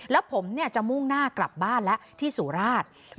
แล้วผมจะมุ่งหน้ากลับบ้านแล้วที่สุราช